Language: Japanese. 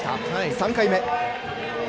３回目。